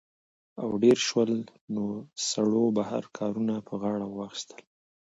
او ډېر شول؛ نو سړو بهر کارونه په غاړه واخىستل